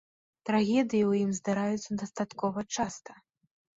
Трагедыі ў ім здараюцца дастаткова часта.